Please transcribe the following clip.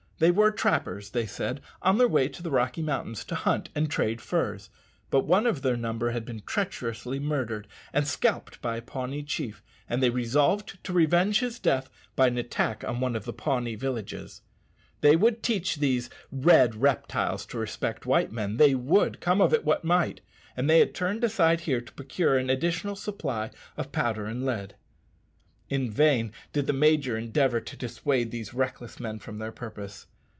They were trappers, they said, on their way to the Rocky Mountains to hunt and trade furs. But one of their number had been treacherously murdered and scalped by a Pawnee chief, and they resolved to revenge his death by an attack on one of the Pawnee villages. They would teach these "red reptiles" to respect white men, they would, come of it what might; and they had turned aside here to procure an additional supply of powder and lead. In vain did the major endeavour to dissuade these reckless men from their purpose.